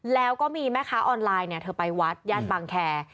แล้วก็มีแม่ค้าออนไลน์เธอไปวัดย่านบางแคร์